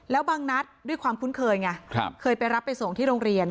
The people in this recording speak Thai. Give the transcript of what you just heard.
แล้วบางนัดด้วยความคุ้นเคยไงเคยไปรับไปส่งที่โรงเรียน